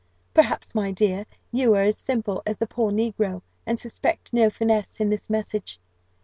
Perhaps, my dear, you are as simple as the poor negro, and suspect no finesse in this message.